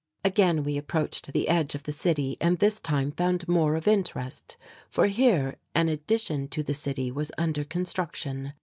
Again we approached the edge of the city and this time found more of interest, for here an addition to the city was under construction.